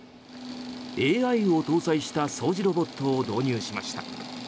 ＡＩを搭載した掃除ロボットを導入しました。